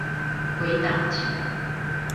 鬼打牆